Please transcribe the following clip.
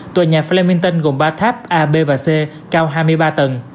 tòa nhà flemington gồm ba tháp a b và c cao hai mươi ba tầng